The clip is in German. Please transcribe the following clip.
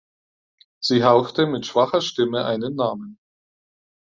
Sie hauchte mit schwacher Stimme einen Namen.